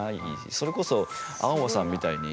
それこそアオバさんみたいに。